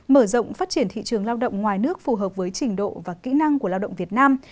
mở rộng phát triển thị trường lao động ngoài nước phù hợp với trình độ và kỹ năng của lao động việt nam